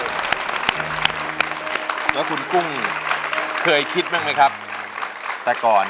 เปลี่ยนเพลงเพลงเก่งของคุณและข้ามผิดได้๑คำ